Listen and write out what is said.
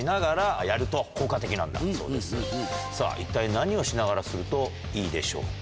一体何をしながらするといいでしょうか？